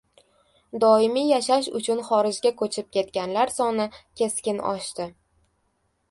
Doimiy yashash uchun xorijga ko‘chib ketganlar soni keskin oshdi